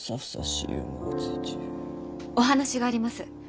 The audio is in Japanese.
お話があります。